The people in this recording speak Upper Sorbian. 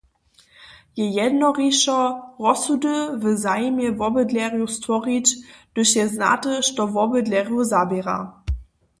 Je jednorišo, rozsudy w zajimje wobydlerjow stworić, hdyž je znate, što wobydlerjow zaběra.